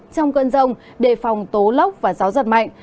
trong cơn rông đề phòng tố lốc và gió giật mạnh